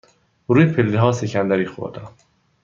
روی پله ها سکندری خوردم.